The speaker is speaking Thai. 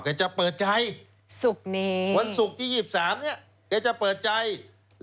แกจะเปิดใจวันศุกร์ที่๒๓เนี่ยแกจะเปิดใจศุกร์นี้